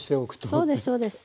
そうですそうです。